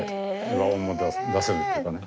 和音も出せるっていうかね。